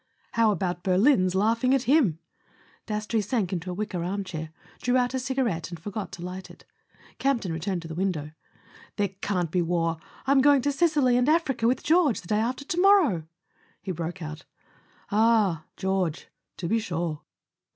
.." "How about Berlin's laughing at him?" Dastrey sank into a wicker armchair, drew out a cigarette and forgot to light it. Campton returned to the window. "There can't be war: I'm going to Sicily and Africa with George the day after to morrow," he broke out. "Ah, George . To be sure.